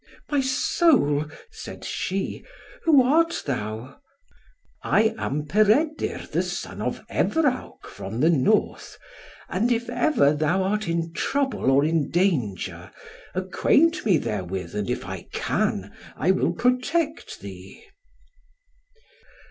"My soul," said she, "who art thou?" "I am Peredur the son of Evrawc from the North; and if ever thou art in trouble or in danger, acquaint me therewith, and if I can, I will protect thee."